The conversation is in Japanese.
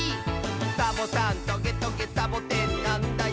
「サボさんトゲトゲサボテンなんだよ」